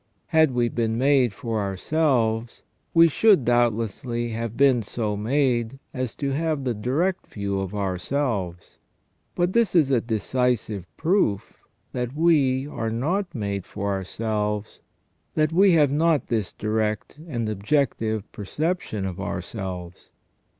Had we been made for ourselves we should, doubtlessly, have been so made as to have the direct view of ourselves ; but this is a decisive proof that we are not made for ourselves, that we have not this direct and objective perception of ourselves.